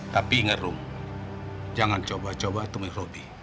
tapi ingat rum jangan coba coba temen robby